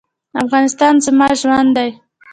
افغانستان زما ژوند دی